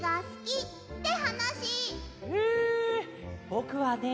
ぼくはね